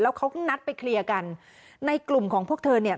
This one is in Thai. เขานัดไปเคลียร์กันในกลุ่มของพวกเธอเนี่ย